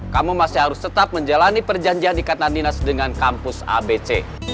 kamu masih harus tetap menjalani perjanjian ikatan dinas dengan kampus abc